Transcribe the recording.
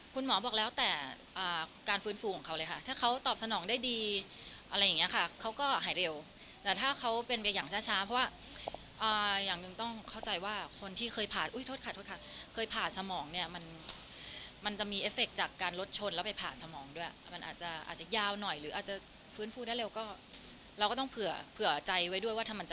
คุณหมอบอกแล้วแต่การฟื้นฟูของเขาเลยค่ะถ้าเขาตอบสนองได้ดีอะไรอย่างนี้ค่ะเขาก็หายเร็วแต่ถ้าเขาเป็นไปอย่างช้าเพราะว่าอย่างหนึ่งต้องเข้าใจว่าคนที่เคยผ่านอุ้ยโทษค่ะโทษค่ะเคยผ่าสมองเนี่ยมันมันจะมีเอฟเฟคจากการรถชนแล้วไปผ่าสมองด้วยมันอาจจะอาจจะยาวหน่อยหรืออาจจะฟื้นฟูได้เร็วก็เราก็ต้องเผื่อใจไว้ด้วยว่าถ้ามันจะ